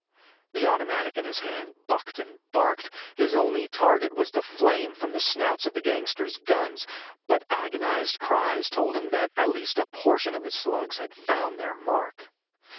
The automatic in his hand bucked and barked. His only target was the flame from the snouts of the gangster guns, but agonized cries told him that at least a portion of his slugs had found their mark.